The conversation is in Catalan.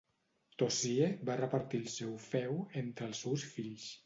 Toshiie va repartir el seu feu entre els seus fills.